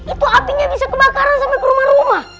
itu apinya bisa kebakaran sampai ke rumah rumah